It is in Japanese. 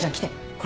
これ。